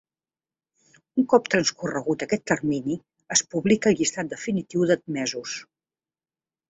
Un cop transcorregut aquest termini, es publica el llistat definitiu d'admesos.